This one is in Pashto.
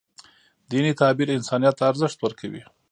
دیني تعبیر انسانیت ته ارزښت ورکوي.